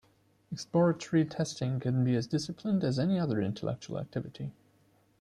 Exploratory testing can be as disciplined as any other intellectual activity.